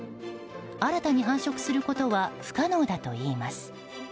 新たに繁殖することは不可能だといいます。